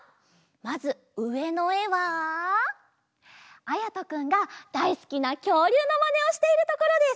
まずうえのえはあやとくんがだいすきなきょうりゅうのマネをしているところです。